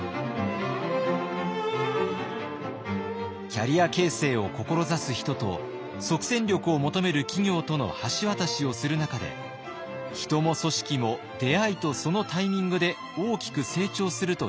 キャリア形成を志す人と即戦力を求める企業との橋渡しをする中で人も組織も出会いとそのタイミングで大きく成長すると実感しています。